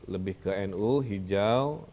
lebih ke nu hijau